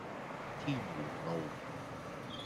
天湖路